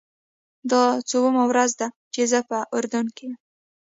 دا څوومه ورځ ده چې زه په اردن کې یم.